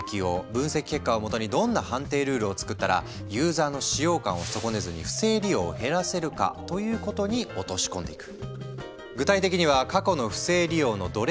分析結果をもとにどんな判定ルールを作ったらユーザーの使用感を損ねずに不正利用を減らせるかということに落とし込んでいく。